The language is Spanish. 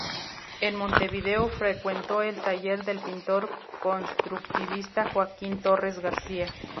En Montevideo frecuentó el taller del pintor constructivista Joaquín Torres García.